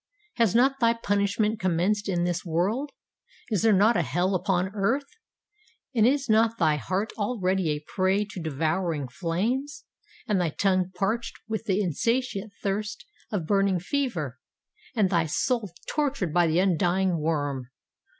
has not thy punishment commenced in this world?—is there not a hell upon earth?—and is not thy heart already a prey to devouring flames, and thy tongue parched with the insatiate thirst of burning fever, and thy soul tortured by the undying worm?